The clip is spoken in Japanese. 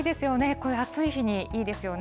こういう暑い日にいいですよね。